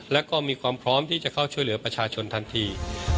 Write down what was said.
และก็มีความพร้อมที่จะเข้าช่วยเหลือประชาชนทันที